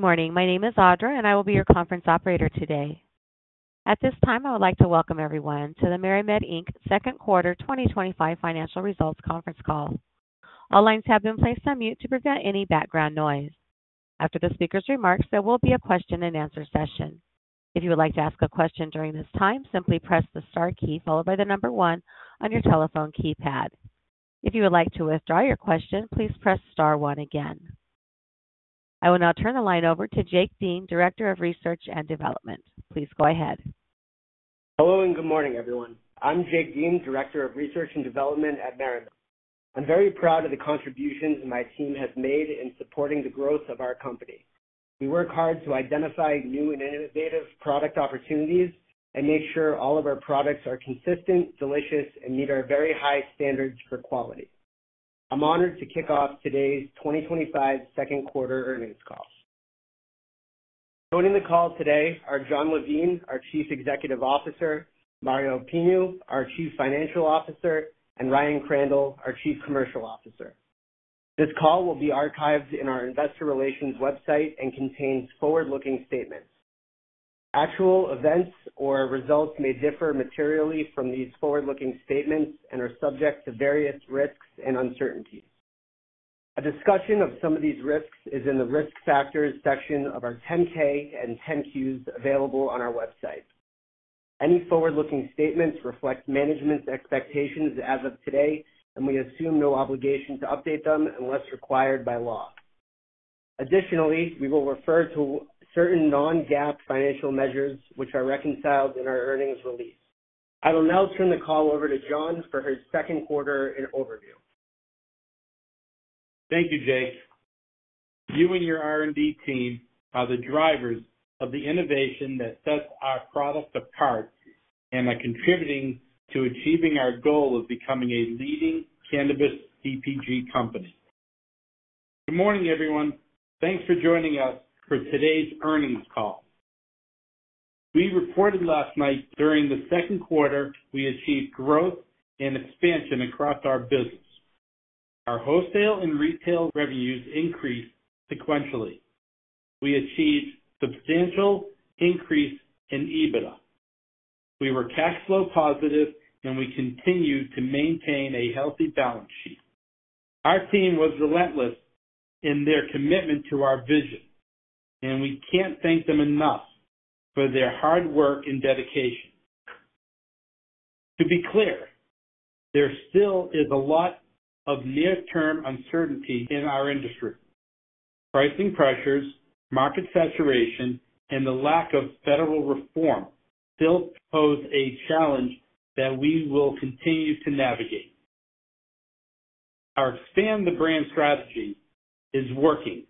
Good morning. My name is Audra, and I will be your conference operator today. At this time, I would like to welcome everyone to the MariMed Inc. Second Quarter 2025 Financial Results Conference Call. All lines have been placed on mute to prevent any background noise. After the speaker's remarks, there will be a question and answer session. If you would like to ask a question during this time, simply press the star key followed by the number one on your telephone keypad. If you would like to withdraw your question, please press star one again. I will now turn the line over to Jake Dean, Director of Research and Development. Please go ahead. Hello and good morning, everyone. I'm Jake Dean, Director of Research and Development at MariMed. I'm very proud of the contributions my team has made in supporting the growth of our company. We work hard to identify new and innovative product opportunities and make sure all of our products are consistent, delicious, and meet our very high standards for quality. I'm honored to kick off today's 2025 Second Quarter earnings call. Joining the call today are Jon Levine, our Chief Executive Officer, Mario Pinho, our Chief Financial Officer, and Ryan Crandall, our Chief Commercial Officer. This call will be archived in our investor relations website and contains forward-looking statements. Actual events or results may differ materially from these forward-looking statements and are subject to various risks and uncertainties. A discussion of some of these risks is in the Risk Factors section of our Form 10-K and Form 10-Qs available on our website. Any forward-looking statements reflect management's expectations as of today, and we assume no obligation to update them unless required by law. Additionally, we will refer to certain non-GAAP financial measures, which are reconciled in our earnings release. I will now turn the call over to Jon for his Second Quarter overview. Thank you, Jake. You and your R&D team are the drivers of the innovation that sets our product apart and are contributing to achieving our goal of becoming a leading cannabis CPG company. Good morning, everyone. Thanks for joining us for today's earnings call. We reported last night that during the Second Quarter, we achieved growth and expansion across our business. Our wholesale and retail revenues increased sequentially. We achieved a substantial increase in EBITDA. We were cash flow positive, and we continued to maintain a healthy balance sheet. Our team was relentless in their commitment to our vision, and we can't thank them enough for their hard work and dedication. To be clear, there still is a lot of near-term uncertainty in our industry. Pricing pressures, market saturation, and the lack of federal reform still pose a challenge that we will continue to navigate. Our Expand the Brand strategy is working.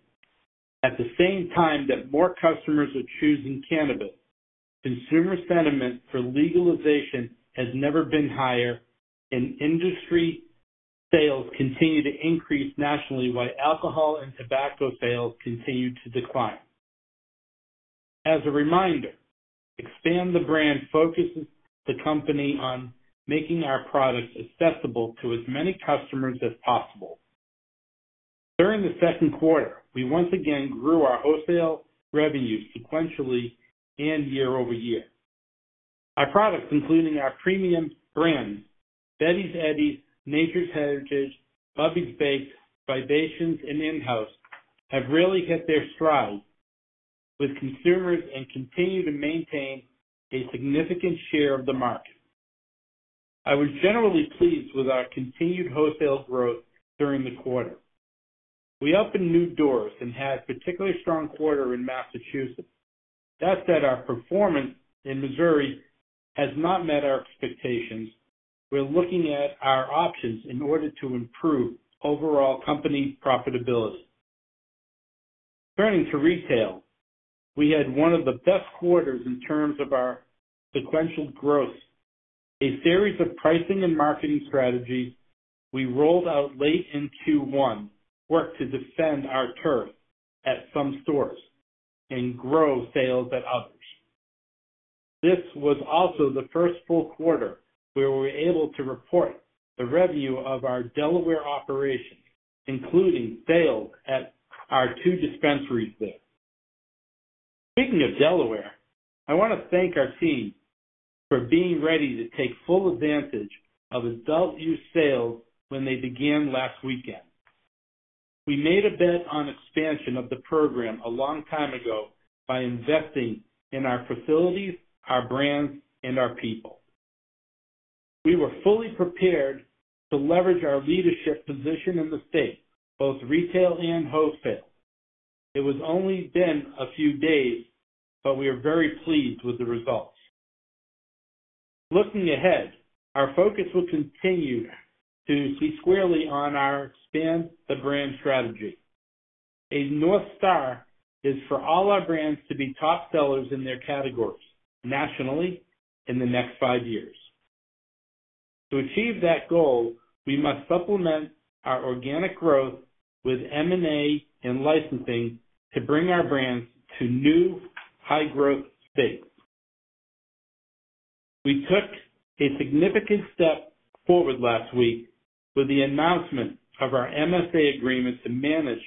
At the same time that more customers are choosing cannabis, consumer sentiment for legalization has never been higher, and industry sales continue to increase nationally, while alcohol and tobacco sales continue to decline. As a reminder, Expand the Brand focuses the company on making our products accessible to as many customers as possible. During the Second Quarter, we once again grew our wholesale revenues sequentially and year over year. Our products, including our premium brands, Betty's Eddies, Nature's Heritage, Bubby's Baked, Vibations High + Energy, and InHouse, have really hit their stride with consumers and continue to maintain a significant share of the market. I was generally pleased with our continued wholesale growth during the quarter. We opened new doors and had a particularly strong quarter in Massachusetts. That said, our performance in Missouri has not met our expectations. We're looking at our options in order to improve overall company profitability. Turning to retail, we had one of the best quarters in terms of our sequential growth. A series of pricing and marketing strategies we rolled out late in Q1 worked to defend our turf at some stores and grow sales at others. This was also the first full quarter where we were able to report the revenue of our Delaware operations, including sales at our two dispensaries there. Speaking of Delaware, I want to thank our team for being ready to take full advantage of adult-use sales when they began last weekend. We made a bet on expansion of the program a long time ago by investing in our facilities, our brands, and our people. We were fully prepared to leverage our leadership position in the state, both retail and wholesale. It has only been a few days, but we are very pleased with the results. Looking ahead, our focus will continue to be squarely on our expand the brand strategy. In North Star is for all our brands to be top sellers in their categories nationally in the next five years. To achieve that goal, we must supplement our organic growth with M&A and licensing to bring our brands to new high-growth states. We took a significant step forward last week with the announcement of our MSA to manage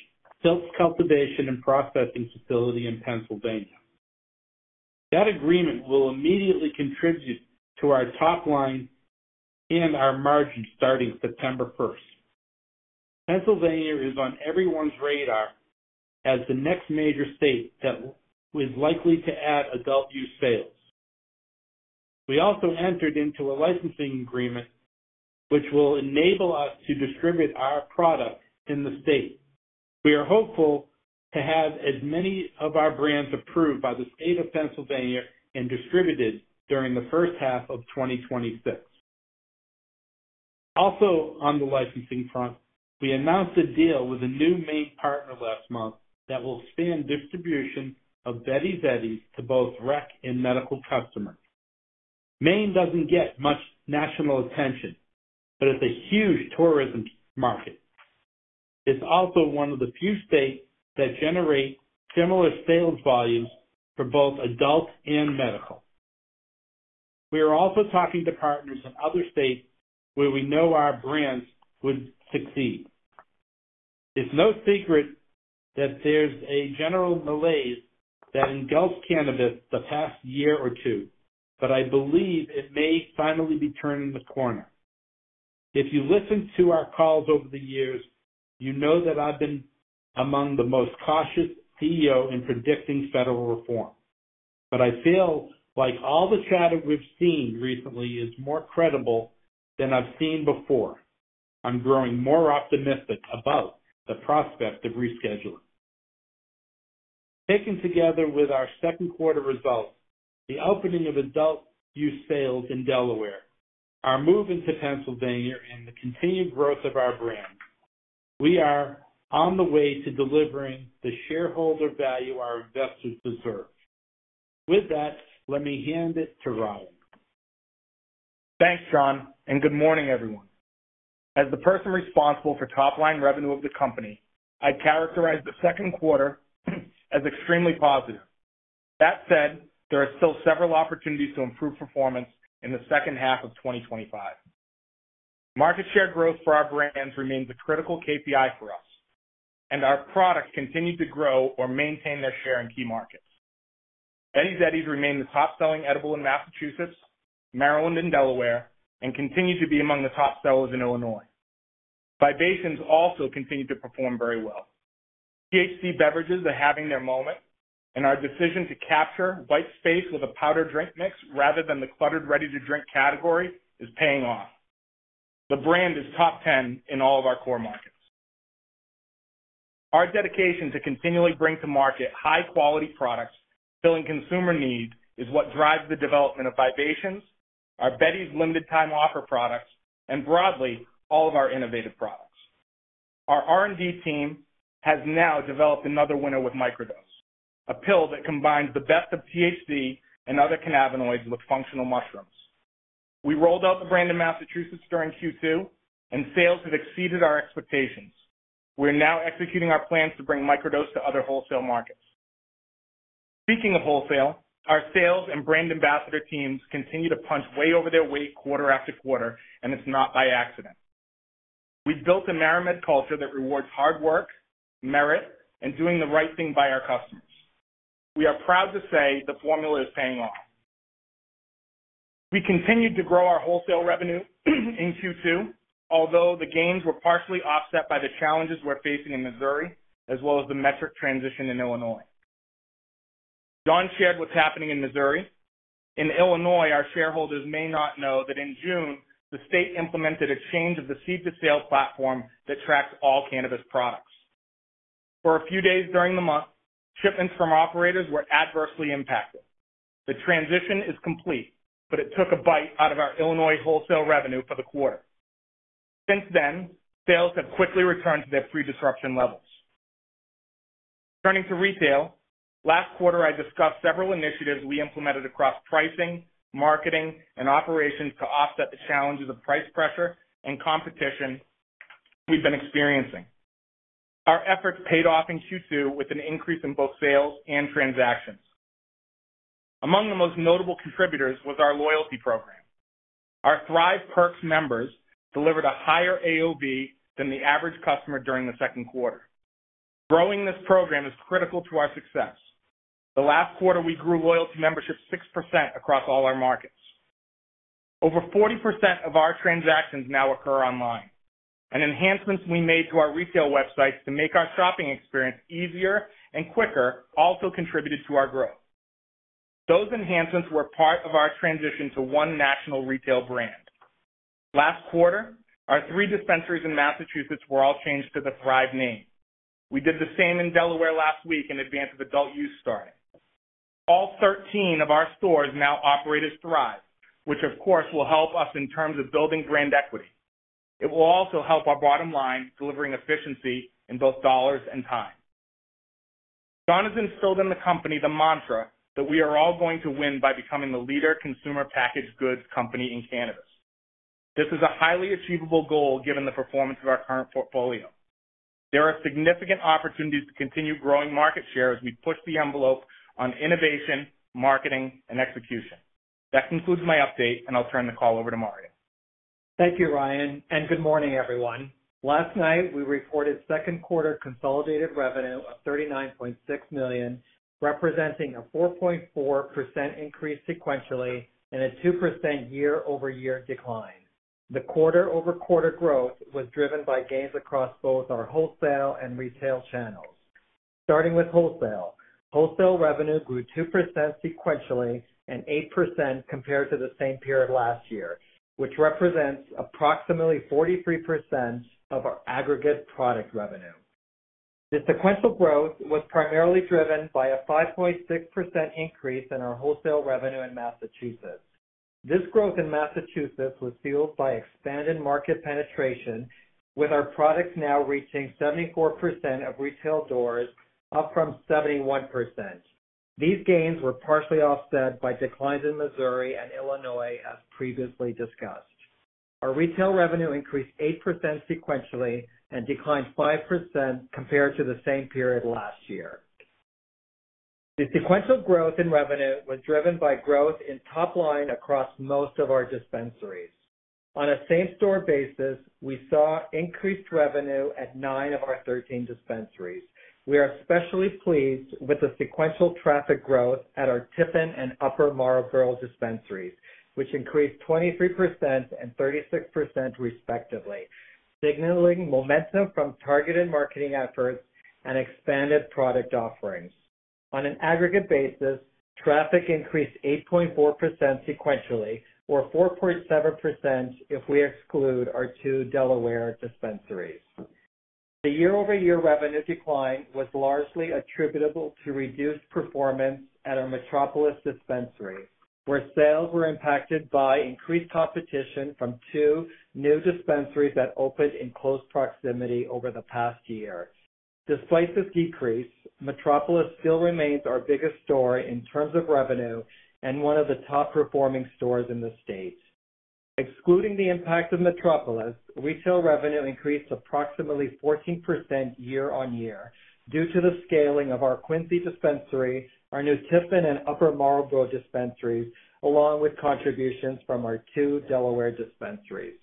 Seltz Cultivation and Processing facility in Pennsylvania. That agreement will immediately contribute to our top line and our margins starting September 1st. Pennsylvania is on everyone's radar as the next major state that is likely to add adult-use sales. We also entered into a licensing agreement, which will enable us to distribute our product in the state. We are hopeful to have as many of our brands approved by the state of Pennsylvania and distributed during the first half of 2026. Also, on the licensing front, we announced a deal with a new Maine partner last month that will expand distribution of Betty's Eddies to both rec and medical customers. Maine doesn't get much national attention, but it's a huge tourism market. It's also one of the few states that generates similar sales volumes for both adult and medical. We are also talking to partners in other states where we know our brands would succeed. It's no secret that there's a general malaise that engulfs cannabis the past year or two, but I believe it may finally be turning the corner. If you listen to our calls over the years, you know that I've been among the most cautious CEOs in predicting federal reform. I feel like all the chatter we've seen recently is more credible than I've seen before. I'm growing more optimistic about the prospect of rescheduling. Taken together with our Second Quarter results, the opening of adult-use sales in Delaware, our move into Pennsylvania, and the continued growth of our brand, we are on the way to delivering the shareholder value our investors deserve. With that, let me hand it to Ryan. Thanks, Jon, and good morning, everyone. As the person responsible for top line revenue of the company, I'd characterize the Second Quarter as extremely positive. That said, there are still several opportunities to improve performance in the second half of 2025. Market share growth for our brands remains a critical KPI for us, and our products continue to grow or maintain their share in key markets. Betty's Eddys remain the top selling edible in Massachusetts, Maryland, and Delaware, and continue to be among the top sellers in Illinois. Vibations also continue to perform very well. THC beverages are having their moment, and our decision to capture white space with a powder drink mix rather than the cluttered ready-to-drink category is paying off. The brand is top 10 in all of our core markets. Our dedication to continually bring to market high-quality products filling consumer needs is what drives the development of Vibations, our Betty's limited-time offer products, and broadly all of our innovative products. Our R&D team has now developed another winner with Microdose, a pill that combines the best of THC and other cannabinoids with functional mushrooms. We rolled out the brand in Massachusetts during Q2, and sales have exceeded our expectations. We are now executing our plans to bring Microdose to other wholesale markets. Speaking of wholesale, our sales and brand ambassador teams continue to punch way over their weight quarter after quarter, and it's not by accident. We've built a MariMed culture that rewards hard work, merit, and doing the right thing by our customers. We are proud to say the formula is paying off. We continued to grow our wholesale revenue in Q2, although the gains were partially offset by the challenges we're facing in Missouri, as well as the metric transition in Illinois. Jon shared what's happening in Missouri. In Illinois, our shareholders may not know that in June, the state implemented a change of the seed-to-sale platform that tracks all cannabis products. For a few days during the month, shipments from operators were adversely impacted. The transition is complete, but it took a bite out of our Illinois wholesale revenue for the quarter. Since then, sales have quickly returned to their pre-disruption levels. Turning to retail, last quarter, I discussed several initiatives we implemented across pricing, marketing, and operations to offset the challenges of price pressure and competition we've been experiencing. Our efforts paid off in Q2 with an increase in both sales and transactions. Among the most notable contributors was our loyalty program. Our ThrivePerks members delivered a higher AOV than the average customer during the Second Quarter. Growing this program is critical to our success. The last quarter, we grew loyalty membership 6% across all our markets. Over 40% of our transactions now occur online. Enhancements we made to our retail websites to make our shopping experience easier and quicker also contributed to our growth. Those enhancements were part of our transition to one national retail brand. Last quarter, our three dispensaries in Massachusetts were all changed to the Thrive name. We did the same in Delaware last week in advance of adult-use starting. All 13 of our stores now operate as Thrive, which, of course, will help us in terms of building brand equity. It will also help our bottom line, delivering efficiency in both dollars and time. Jon has instilled in the company the mantra that we are all going to win by becoming the leader consumer packaged goods company in cannabis. This is a highly achievable goal given the performance of our current portfolio. There are significant opportunities to continue growing market share as we push the envelope on innovation, marketing, and execution. That concludes my update, and I'll turn the call over to Mario. Thank you, Ryan, and good morning, everyone. Last night, we reported Second Quarter consolidated revenue of $39.6 million, representing a 4.4% increase sequentially and a 2% year-over-year decline. The quarter-over-quarter growth was driven by gains across both our wholesale and retail channels. Starting with wholesale, wholesale revenue grew 2% sequentially and 8% compared to the same period last year, which represents approximately 43% of our aggregate product revenue. The sequential growth was primarily driven by a 5.6% increase in our wholesale revenue in Massachusetts. This growth in Massachusetts was fueled by expanded market penetration, with our products now reaching 74% of retail doors, up from 71%. These gains were partially offset by declines in Missouri and Illinois, as previously discussed. Our retail revenue increased 8% sequentially and declined 5% compared to the same period last year. The sequential growth in revenue was driven by growth in top line across most of our dispensaries. On a same-store basis, we saw increased revenue at nine of our 13 dispensaries. We are especially pleased with the sequential traffic growth at our Tiffin and Upper Marlboro dispensaries, which increased 23% and 36% respectively, signaling momentum from targeted marketing efforts and expanded product offerings. On an aggregate basis, traffic increased 8.4% sequentially, or 4.7% if we exclude our two Delaware dispensaries. The year-over-year revenue decline was largely attributable to reduced performance at our Metropolis dispensary, where sales were impacted by increased competition from two new dispensaries that opened in close proximity over the past year. Despite this decrease, Metropolis still remains our biggest store in terms of revenue and one of the top performing stores in the state. Excluding the impact of Metropolis, retail revenue increased approximately 14% year-on-year due to the scaling of our Quincy dispensary, our new Tiffin, and Upper Marlboro dispensaries, along with contributions from our two Delaware dispensaries.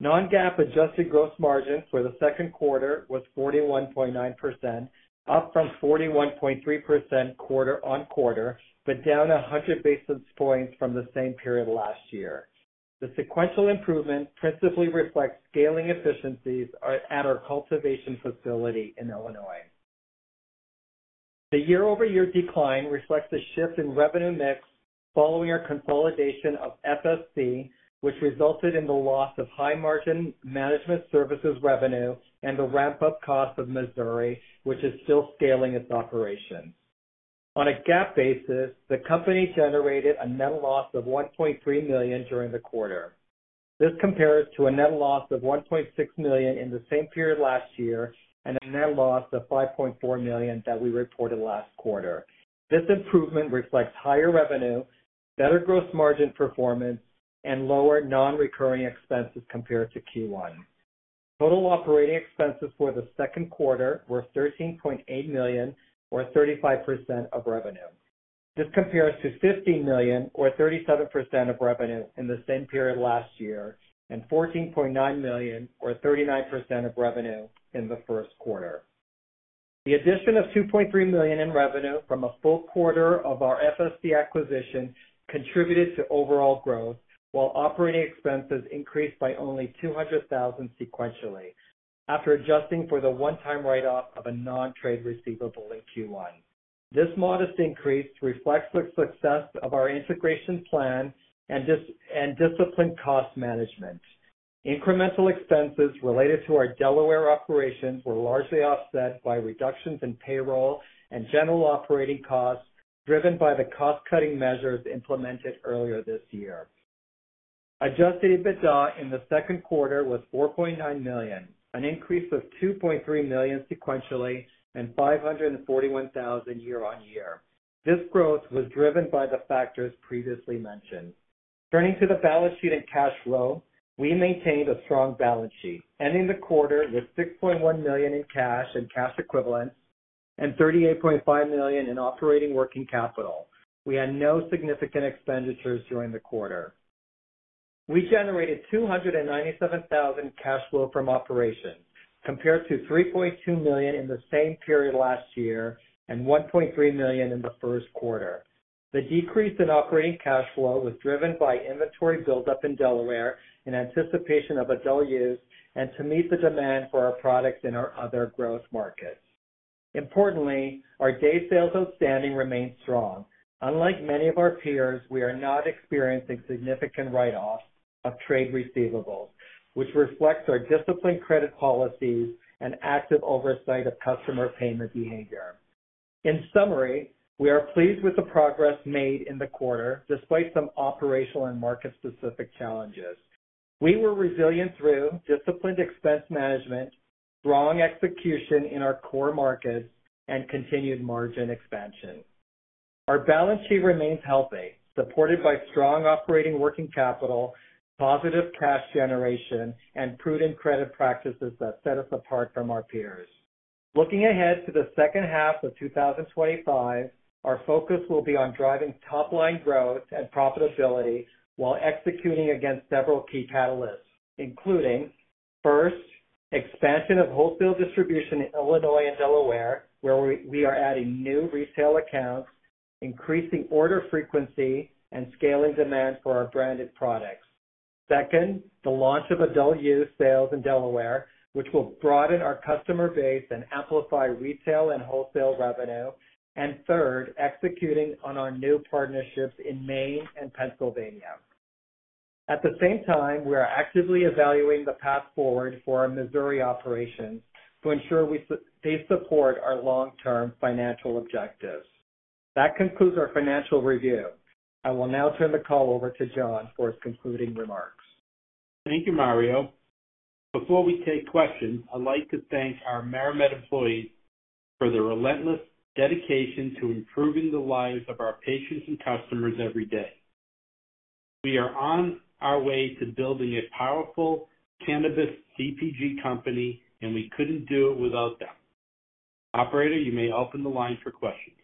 Non-GAAP adjusted gross margins for the Second Quarter were 41.9%, up from 41.3% quarter-on-quarter, but down 100 basis points from the same period last year. The sequential improvement principally reflects scaling efficiencies at our cultivation facility in Illinois. The year-over-year decline reflects the shift in revenue mix following our consolidation of FSC, which resulted in the loss of high margin management services revenue and the ramp-up cost of Missouri, which is still scaling its operations. On a GAAP basis, the company generated a net loss of $1.3 million during the quarter. This compares to a net loss of $1.6 million in the same period last year and a net loss of $5.4 million that we reported last quarter. This improvement reflects higher revenue, better gross margin performance, and lower non-recurring expenses compared to Q1. Total operating expenses for the Second Quarter were $13.8 million, or 35% of revenue. This compares to $15 million, or 37% of revenue in the same period last year, and $14.9 million, or 39% of revenue in the First Quarter. The addition of $2.3 million in revenue from a full quarter of our FSC acquisition contributed to overall growth, while operating expenses increased by only $200,000 sequentially after adjusting for the one-time write-off of a non-trade receivable in Q1. This modest increase reflects the success of our integration plan and disciplined cost management. Incremental expenses related to our Delaware operations were largely offset by reductions in payroll and general operating costs driven by the cost-cutting measures implemented earlier this year. Adjusted EBITDA in the Second Quarter was $4.9 million, an increase of $2.3 million sequentially and $541,000 year-on-year. This growth was driven by the factors previously mentioned. Turning to the balance sheet and cash flow, we maintained a strong balance sheet, ending the quarter with $6.1 million in cash and cash equivalents and $38.5 million in operating working capital. We had no significant expenditures during the quarter. We generated $297,000 in cash flow from operations, compared to $3.2 million in the same period last year and $1.3 million in the First Quarter. The decrease in operating cash flow was driven by inventory buildup in Delaware in anticipation of adult-use and to meet the demand for our products in our other growth markets. Importantly, our day sales outstanding remains strong. Unlike many of our peers, we are not experiencing significant write-offs of trade receivables, which reflects our disciplined credit policies and active oversight of customer payment behavior. In summary, we are pleased with the progress made in the quarter, despite some operational and market-specific challenges. We were resilient through disciplined expense management, strong execution in our core markets, and continued margin expansion. Our balance sheet remains healthy, supported by strong operating working capital, positive cash generation, and prudent credit practices that set us apart from our peers. Looking ahead to the second half of 2025, our focus will be on driving top line growth and profitability while executing against several key catalysts, including, first, expansion of wholesale distribution in Illinois and Delaware, where we are adding new retail accounts, increasing order frequency, and scaling demand for our branded products. Second, the launch of adult-use sales in Delaware, which will broaden our customer base and amplify retail and wholesale revenue. Third, executing on our new partnerships in Maine and Pennsylvania. At the same time, we are actively evaluating the path forward for our Missouri operations to ensure they support our long-term financial objectives. That concludes our financial review. I will now turn the call over to Jon for his concluding remarks. Thank you, Mario. Before we take questions, I'd like to thank our MariMed employees for their relentless dedication to improving the lives of our patients and customers every day. We are on our way to building a powerful cannabis CPG company, and we couldn't do it without them. Operator, you may open the line for questions.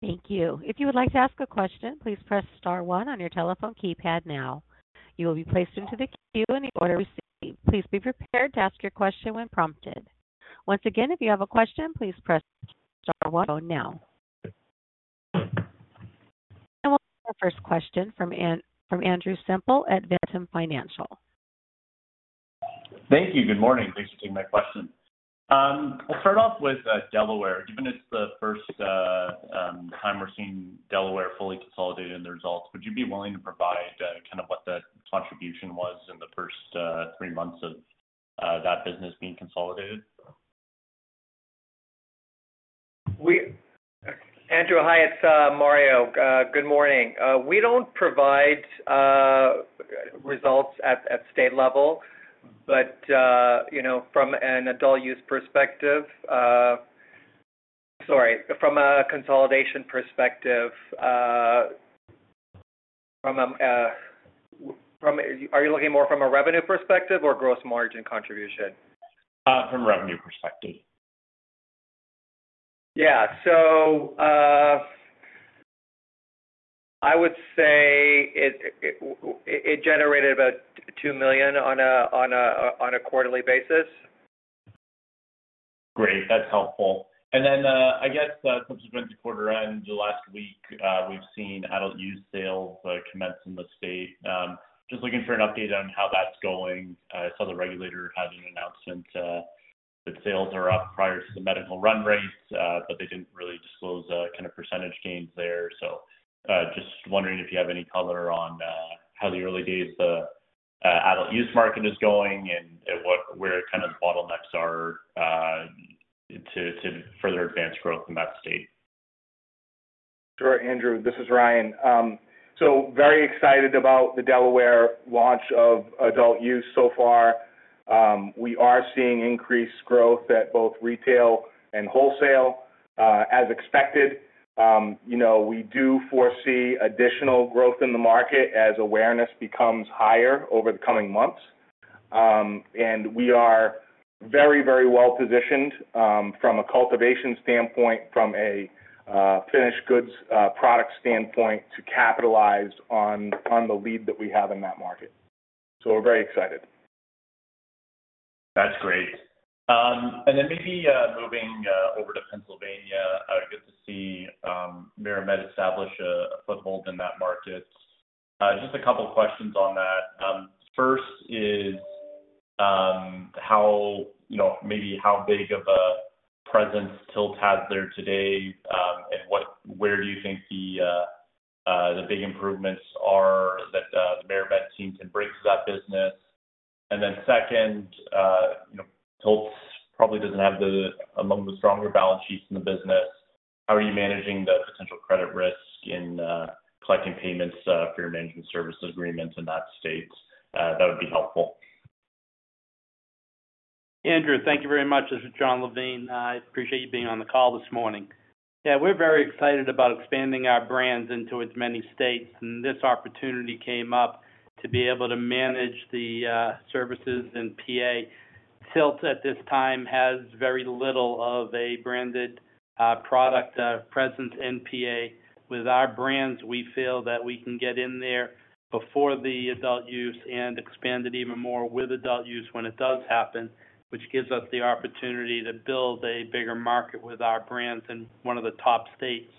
Thank you. If you would like to ask a question, please press star one on your telephone keypad now. You will be placed into the queue in the order you received. Please be prepared to ask your question when prompted. Once again, if you have a question, please press star one now. We will take our first question from Andrew Semple at Ventum Financial. Thank you. Good morning. Thanks for taking my question. I'll start off with Delaware. Given it's the first time we're seeing Delaware fully consolidated in the results, would you be willing to provide what the contribution was in the first three months of that business being consolidated? Andrew, hi. It's Mario. Good morning. We don't provide results at the state level, but, you know, from an adult-use perspective, sorry, from a consolidation perspective, are you looking more from a revenue perspective or gross margin contribution? From a revenue perspective. Yeah, I would say it generated about $2 million on a quarterly basis. Great. That's helpful. I guess, since the quarter ended last week, we've seen adult-use sales commence in the state. Just looking for an update on how that's going. I saw the regulator having an announcement that sales are up prior to the medical run rates, but they didn't really disclose kind of percentage gains there. Just wondering if you have any color on how the early days, the adult-use market is going and where kind of the bottlenecks are to further advance growth in that state. Sure. Andrew, this is Ryan. Very excited about the Delaware launch of adult use so far. We are seeing increased growth at both retail and wholesale, as expected. We do foresee additional growth in the market as awareness becomes higher over the coming months. We are very, very well positioned, from a cultivation standpoint, from a finished goods product standpoint, to capitalize on the lead that we have in that market. We are very excited. That's great. Maybe, moving over to Pennsylvania, good to see MariMed establish a foothold in that market. Just a couple of questions on that. First is, how, you know, maybe how big of a presence Tilt has there today, and where do you think the big improvements are that the MariMed team can bring to that business? Second, you know, Tilt probably doesn't have among the stronger balance sheets in the business. How are you managing the potential credit risk in collecting payments for your management services agreements in that state? That would be helpful. Andrew, thank you very much. This is Jon Levine. I appreciate you being on the call this morning. Yeah, we're very excited about expanding our brands into as many states, and this opportunity came up to be able to manage the services in PA. Tilt at this time has very little of a branded product presence in PA. With our brands, we feel that we can get in there before the adult-use and expand it even more with adult-use when it does happen, which gives us the opportunity to build a bigger market with our brands in one of the top states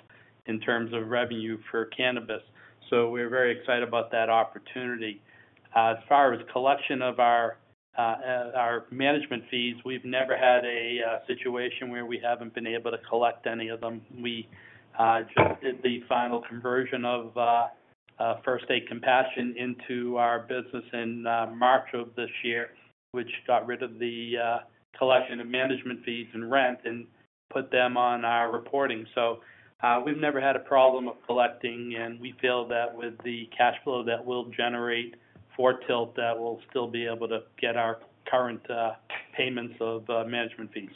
in terms of revenue for cannabis. We are very excited about that opportunity. As far as collection of our management fees, we've never had a situation where we haven't been able to collect any of them. We just did the final conversion of First Aid Compassion into our business in March of this year, which got rid of the collection of management fees and rent and put them on our reporting. We've never had a problem of collecting, and we feel that with the cash flow that we'll generate for Tilt, that we'll still be able to get our current payments of management fees.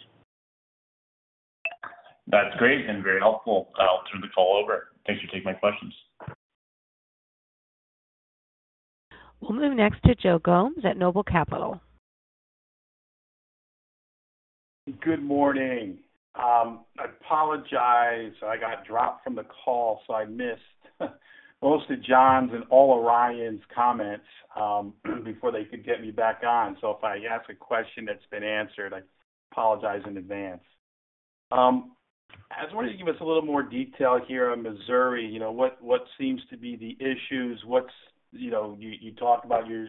That's great and very helpful. I'll turn the call over. Thanks for taking my questions. We will move next to Joe Gomes at Noble Capital. Good morning. I apologize. I got dropped from the call, so I missed most of Jon's and all of Ryan's comments before they could get me back on. If I ask a question that's been answered, I apologize in advance. I just want you to give us a little more detail here on Missouri. What seems to be the issues? You talked about your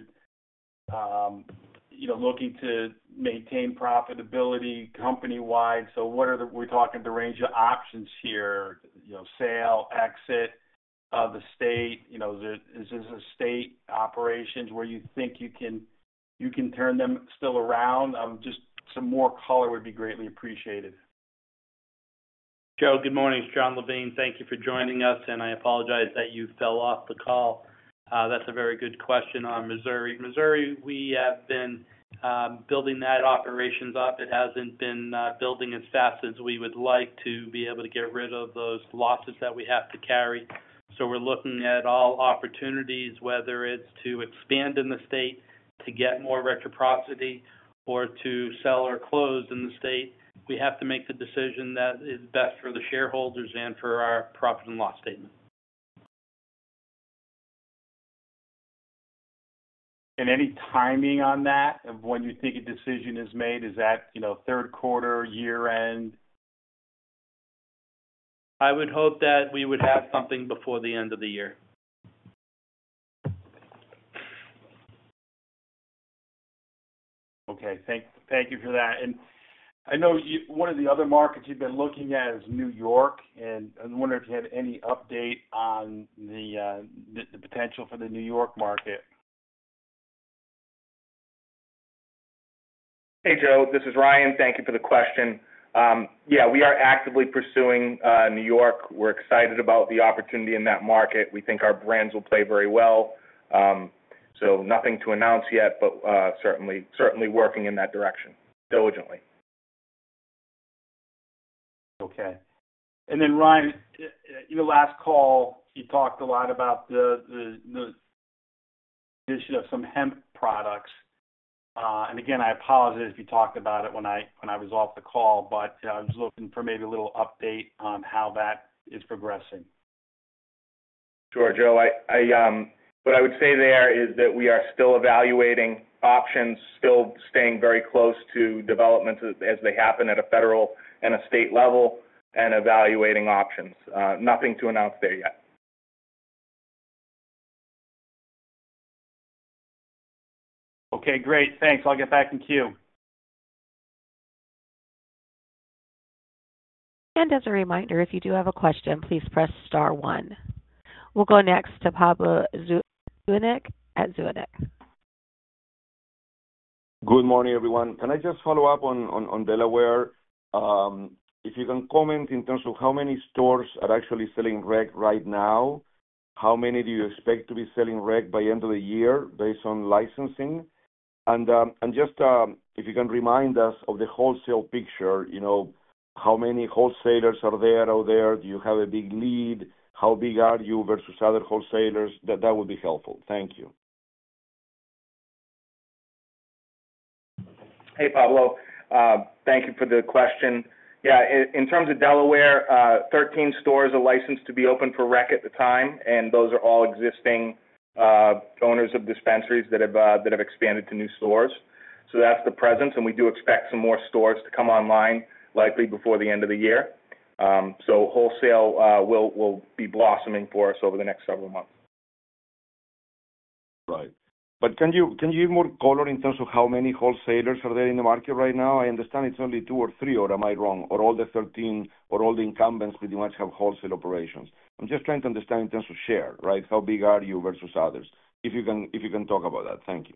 looking to maintain profitability company-wide. What are the range of options here, sale, exit of the state? Is this a state operation where you think you can turn them still around? Some more color would be greatly appreciated. Joe, good morning. It's Jon Levine. Thank you for joining us, and I apologize that you fell off the call. That's a very good question on Missouri. Missouri, we have been building that operations up. It hasn't been building as fast as we would like to be able to get rid of those losses that we have to carry. We are looking at all opportunities, whether it's to expand in the state, to get more reciprocity, or to sell or close in the state. We have to make the decision that is best for the shareholders and for our profit and loss statement. Is there any timing on that of when you think a decision is made? Is that, you know, third quarter or year end? I would hope that we would have something before the end of the year. Okay. Thank you for that. I know one of the other markets you've been looking at is New York, and I'm wondering if you have any update on the potential for the New York market. Hey, Joe. This is Ryan. Thank you for the question. We are actively pursuing New York. We're excited about the opportunity in that market. We think our brands will play very well. Nothing to announce yet, but certainly working in that direction diligently. Okay. Ryan, in the last call, you talked a lot about the issue of some hemp products. I apologize if you talked about it when I was off the call, but I was looking for maybe a little update on how that is progressing. Sure, Joe. What I would say there is that we are still evaluating options, still staying very close to developments as they happen at a federal and a state level, and evaluating options. Nothing to announce there yet. Okay. Great. Thanks. I'll get back in queue. As a reminder, if you do have a question, please press star one. We'll go next to Pablo Zuanic at Zuanic. Good morning, everyone. Can I just follow up on Delaware? If you can comment in terms of how many stores are actually selling rec right now, how many do you expect to be selling rec by the end of the year based on licensing? If you can remind us of the wholesale picture, you know, how many wholesalers are there out there? Do you have a big lead? How big are you versus other wholesalers? That would be helpful. Thank you. Hey, Pablo. Thank you for the question. Yeah, in terms of Delaware, 13 stores are licensed to be open for rec at the time, and those are all existing owners of dispensaries that have expanded to new stores. That's the presence, and we do expect some more stores to come online, likely before the end of the year. Wholesale will be blossoming for us over the next several months. Right. Can you give more color in terms of how many wholesalers are there in the market right now? I understand it's only two or three, or am I wrong? Do all the 13, or do all the incumbents pretty much have wholesale operations? I'm just trying to understand in terms of share, right? How big are you versus others? If you can talk about that. Thank you.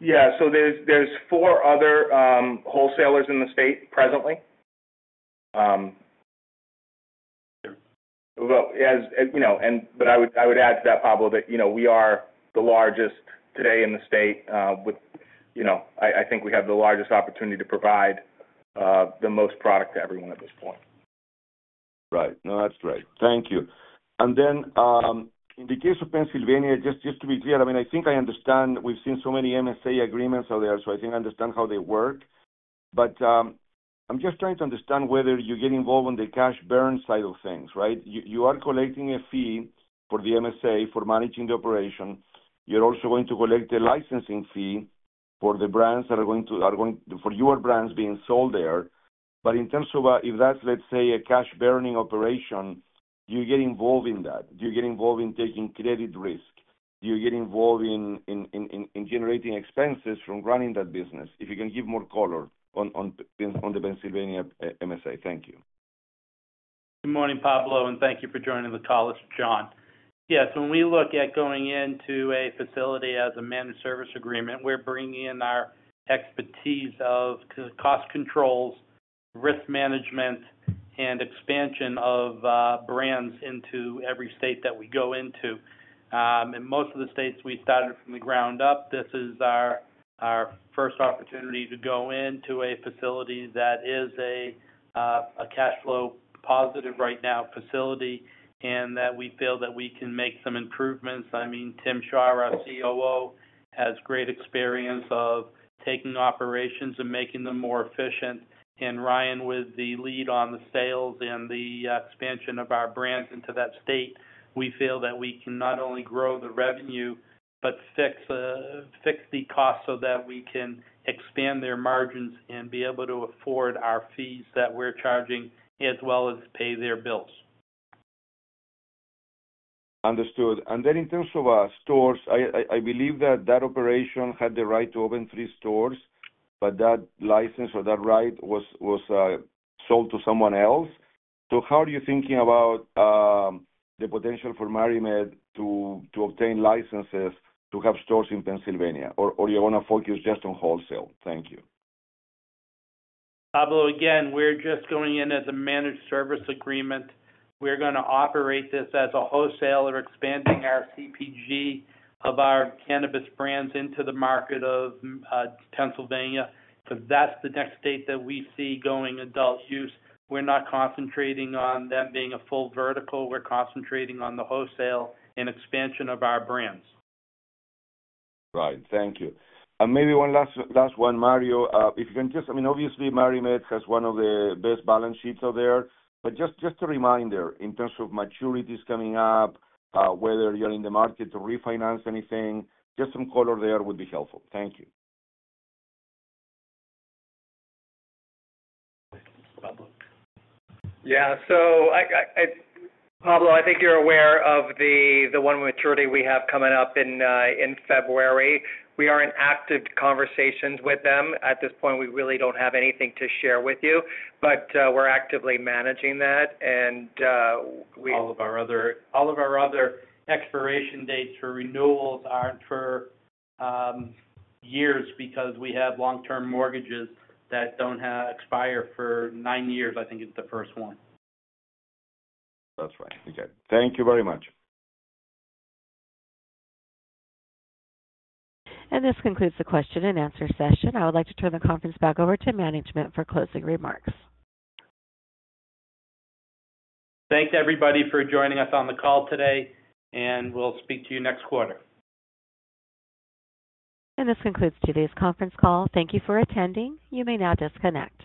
There are four other wholesalers in the state presently. As you know, Pablo, I would add that we are the largest today in the state. I think we have the largest opportunity to provide the most product to everyone at this point. Right. No, that's great. Thank you. In the case of Pennsylvania, just to be clear, I think I understand we've seen so many MSA agreements out there, so I think I understand how they work. I'm just trying to understand whether you get involved on the cash burn side of things, right? You are collecting a fee for the MSA for managing the operation. You're also going to collect a licensing fee for the brands that are going to, for your brands being sold there. In terms of, if that's, let's say, a cash burning operation, do you get involved in that? Do you get involved in taking credit risk? Do you get involved in generating expenses from running that business? If you can give more color on the Pennsylvania MSA. Thank you. Good morning, Pablo, and thank you for joining the call. This is Jon. Yes, when we look at going into a facility as a Managed Services Agreement, we're bringing in our expertise of cost controls, risk management, and expansion of brands into every state that we go into. In most of the states, we started from the ground up. This is our first opportunity to go into a facility that is a cash flow positive right now facility and that we feel that we can make some improvements. Tim Shaw, our COO, has great experience of taking operations and making them more efficient. Ryan, with the lead on the sales and the expansion of our brands into that state, we feel that we can not only grow the revenue, but fix the cost so that we can expand their margins and be able to afford our fees that we're charging, as well as pay their bills. Understood. In terms of stores, I believe that operation had the right to open three stores, but that license or that right was sold to someone else. How are you thinking about the potential for MariMed to obtain licenses to have stores in Pennsylvania, or are you going to focus just on wholesale? Thank you. Pablo, again, we're just going in as a Managed Services Agreement. We're going to operate this as a wholesaler, expanding our CPG of our cannabis brands into the market of Pennsylvania. That's the next state that we see going adult use. We're not concentrating on them being a full vertical. We're concentrating on the wholesale and expansion of our brands. Right. Thank you. Maybe one last one, Mario. If you can just, I mean, obviously, MariMed has one of the best balance sheets out there, but just a reminder in terms of maturities coming up, whether you're in the market to refinance anything, just some color there would be helpful. Thank you. Yeah. Pablo, I think you're aware of the one maturity we have coming up in February. We are in active conversations with them. At this point, we really don't have anything to share with you, but we're actively managing that. All of our other expiration dates for renewals aren't for years because we have long-term mortgages that don't expire for nine years, I think, is the first one. That's right. Okay, thank you very much. This concludes the question and answer session. I would like to turn the conference back over to management for closing remarks. Thank everybody for joining us on the call today, and we'll speak to you next quarter. This concludes today's conference call. Thank you for attending. You may now disconnect.